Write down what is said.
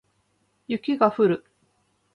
雪が降る